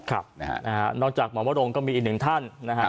ครับนะฮะนอกจากหมอวรงก็มีอีกหนึ่งท่านนะฮะ